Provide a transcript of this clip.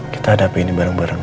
kapanpun aku mau